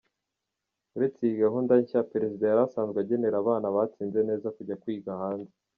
Uretse iyi gahunda nshya, Perezida yari asanzwe agenera abana batsinze neza kujya kwiga hanze.